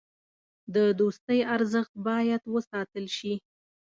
د دوستۍ ارزښت باید وساتل شي.